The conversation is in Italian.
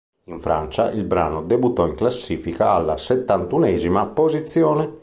In Francia il brano debuttò in classifica alla settantunesima posizione.